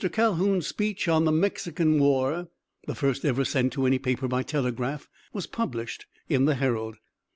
Calhoun's speech on the Mexican war, the first ever sent to any paper by telegraph, was published in the Herald.